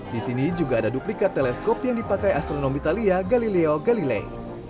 di sini juga ada duplikat teleskop yang dipakai astronomi thalia galileo galilei